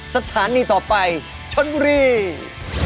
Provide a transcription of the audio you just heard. สถานีต่อไปชนบุรี